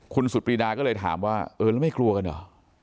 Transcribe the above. คุณสุดปรีดาก็เลยถามว่าเออแล้วไม่กลัวกันเหรอ